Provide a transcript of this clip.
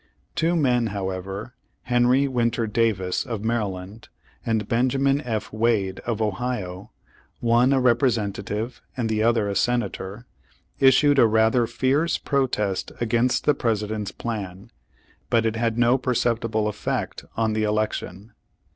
Two men, however, Henry Winter Davis, of Maryland, and Benjamin F. Wade, of Ohio, one a Representative, and the other a Senator, issued a rather fierce protest against the President's plan, but it had no per ceptible effect on the election.